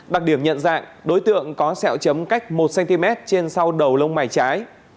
đặc điểm nhận dạng đối tượng có sẹo chấm cách một cm trên sau đầu lông mài trái